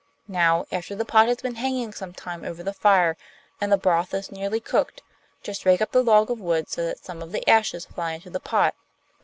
Now, after the pot has been hanging some time over the fire, and the broth is nearly cooked, just rake up the log of wood so that some of the ashes fly into the pot.